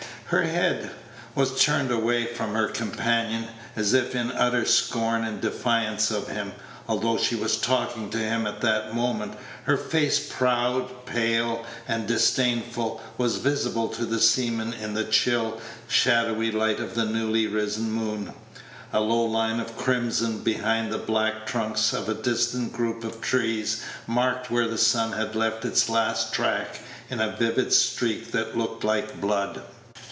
Her head was turned away from her companion, as if in utter scorn and defiance of him, although she was talking to him at that moment. Her face, proud, pale, and disdainful, was visible to the seaman in the chill, shadowy light of the newly risen moon. A low line of crimson behind the black trunks of a distant group of trees marked where the sun had left its last track in a vivid streak that looked like blood.